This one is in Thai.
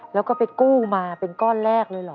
แล้วก็ไปกู้มาเป็นก้อนแรกเลยเหรอ